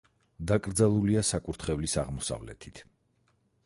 დაკრძალულია საკურთხევლის აღმოსავლეთით.